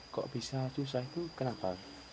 kok bisa susah itu kenapa